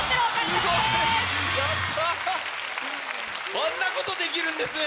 あんなことできるんですね